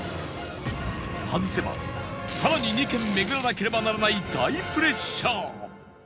外せば更に２軒巡らなければならない大プレッシャー